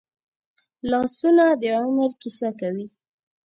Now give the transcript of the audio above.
لاسونه د عمر کیسه کوي